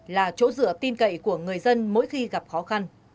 và tin cậy của người dân mỗi khi gặp khó khăn